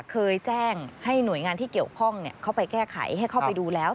เคยแจ้งให้หน่วยงานที่เกี่ยวข้องเข้าไปแก้ไขให้เข้าไปดูแล้ว